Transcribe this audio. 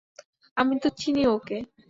আমি তো চিনি ওঁকে।